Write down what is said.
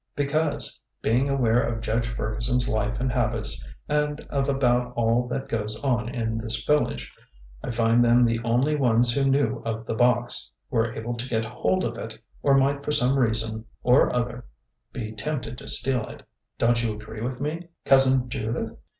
"Because, being aware of Judge Ferguson's life and habits and of about all that goes on in this village, I find them the only ones who knew of the box, were able to get hold of it, or might for some reason or other be tempted to steal it. Don't you agree with me, Cousin Judith?"